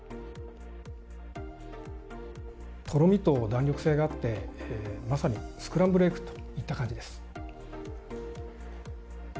とろみと弾力性があってまさにスクランブルエッグといった感じです。